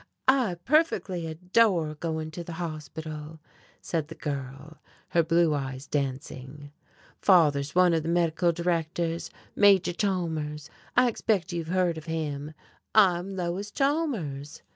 "I perfectly adore going to the hospital," said the girl, her blue eyes dancing. "Father's one of the medical directors, Major Chalmers, I expect you've heard of him. I'm Lois Chalmers."